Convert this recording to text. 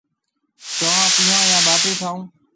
چونه پِيو يان ٻاٽِي کائون؟